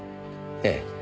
ええ。